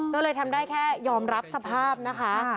ก็เลยทำได้แค่ยอมรับสภาพนะคะ